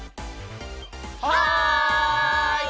はい！